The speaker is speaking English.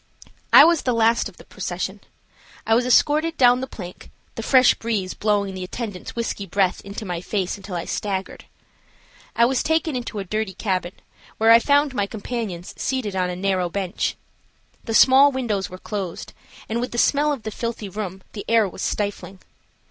I was the last of the procession. I was escorted down the plank, the fresh breeze blowing the attendants' whisky breath into my face until I staggered. I was taken into a dirty cabin, where I found my companions seated on a narrow bench. The small windows were closed, and, with the smell of the filthy room, the air was stifling.